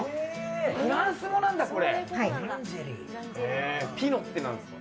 フランス語なんだ、これ。